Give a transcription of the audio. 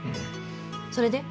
それで？